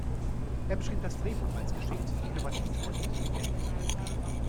Er beschrieb das Drehbuch als „geschickt“, „innovativ“ und „intelligent“.